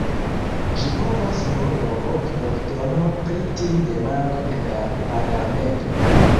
Ĝi povas nur provoki voĉdonon pri tiu demando en la parlamento.